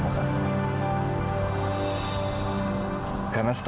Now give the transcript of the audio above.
bapak selalu mengingatkan saya